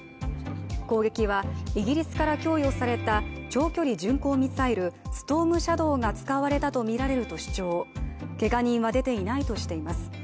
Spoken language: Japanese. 攻撃はイギリスから供与された長距離巡航ミサイルストームシャドーが使われたとみられると主張けが人は出ていないとしています。